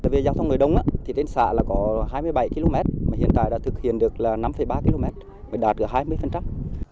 về giao thông người đông thì đến xã là có hai mươi bảy km mà hiện tại đã thực hiện được là năm ba km mới đạt được hai mươi